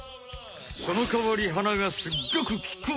そのかわり鼻がすっごくきく！